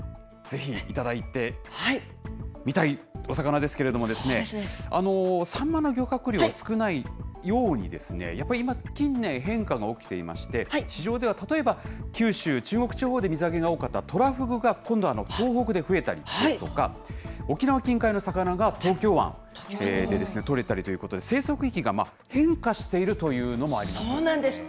ぜひ頂いてみたいお魚ですけれどもね、サンマの漁獲量、少ないようにですね、やっぱり今、近年、変化が起きていまして、市場では例えば、九州、中国地方で水揚げが多かったトラフグが、今度は東北で増えたりですとか、沖縄近海の魚が東京湾で取れたりということで、生息域が変化してというのもありますね。